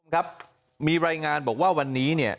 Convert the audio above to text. ครับมีรายงานบอกว่าวันนี้